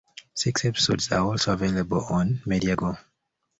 Six episodes are also available on Media Go.